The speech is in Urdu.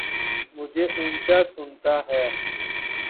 مجھے اونچا سنتا ہے